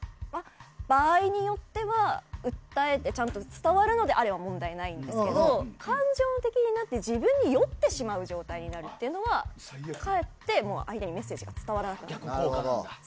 場合によっては訴えてちゃんと伝わるのであれば問題ないんですけれども感情的になって自分に酔ってしまう状態になるというのはかえって相手にメッセージが伝わらなくなる。